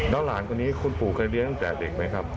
แล้วหลานคนนี้คุณปู่เคยเลี้ยงตั้งแต่เด็กไหมครับ